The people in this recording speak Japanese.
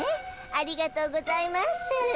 ありがとうございます。